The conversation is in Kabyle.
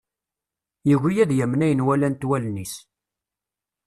Yugi ad yamen ayen walant wallen-is.